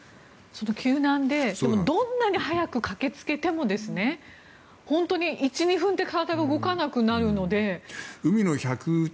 救難でどんなに早く駆けつけても本当に１２分で体が動かなくなるので。